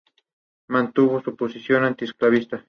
Mantuvo una posición anti-esclavista.